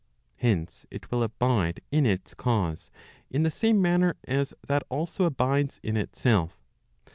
Hence it will abide in its cause, in the same manner as that also abides in itself.